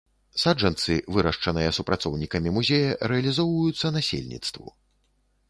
Саджанцы, вырашчаныя супрацоўнікамі музея, рэалізоўваюцца насельніцтву.